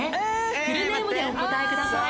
フルネームでお答えください。